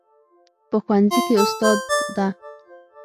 په ښوونځي کې استاد ده